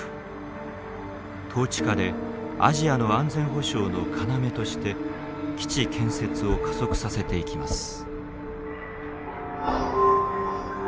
統治下でアジアの安全保障の要として基地建設を加速させていきます。